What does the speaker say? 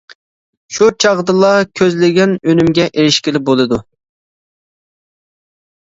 شۇ چاغدىلا كۆزلىگەن ئۈنۈمگە ئېرىشكىلى بولىدۇ.